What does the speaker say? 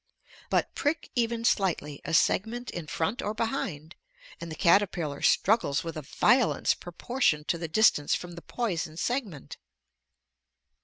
"But prick even slightly a segment in front or behind and the caterpillar struggles with a violence proportioned to the distance from the poisoned segment."